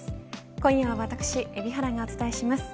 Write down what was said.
今夜は私海老原がお伝えします。